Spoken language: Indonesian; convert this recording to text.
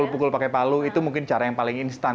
pukul pakai palu itu mungkin cara yang paling instan